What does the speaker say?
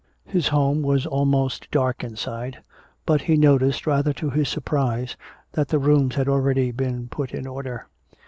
His home was almost dark inside, but he noticed rather to his surprise that the rooms had already been put in order.